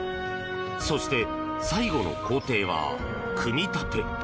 そして、最後の工程は組み立て。